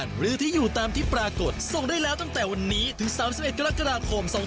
เป็นอย่างไรเอาไปดูจ้า